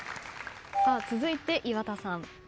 続いて岩田さん。